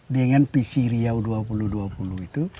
dengan visi riau dua ribu dua puluh itu